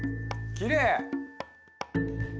きれい！